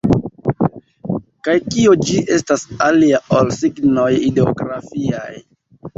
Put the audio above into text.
Kaj kio ĝi estas alia, ol signoj ideografiaj?